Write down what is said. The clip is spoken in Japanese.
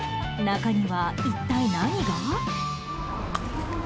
中には一体何が？